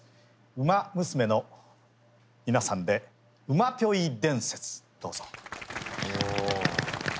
ウマ娘の皆さんで「うまぴょい伝説」。どうぞ。